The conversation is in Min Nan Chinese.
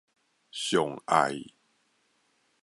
上愛